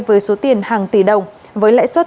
với số tiền hàng tỷ đồng với lãi suất